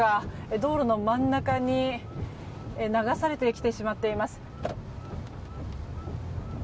道路の真ん中に流されてきてしまっています。